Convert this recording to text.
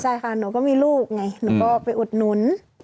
ใช่ค่ะหนูก็มีลูกไงหนูก็ไปอุดหนุน